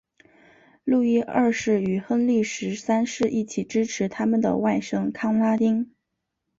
路易二世与亨利十三世一起支持他们的外甥康拉丁。